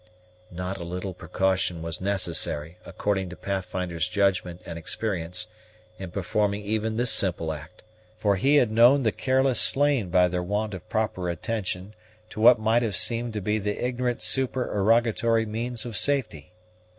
Not a little precaution was necessary, according to Pathfinder's judgment and experience, in performing even this simple act; for he had known the careless slain by their want of proper attention to what might have seemed to the ignorant supererogatory means of safety.